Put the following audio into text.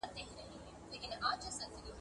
ولي ملي سوداګر خوراکي توکي له ازبکستان څخه واردوي؟